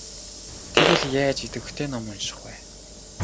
Тэгвэл яаж идэвхтэй ном унших вэ?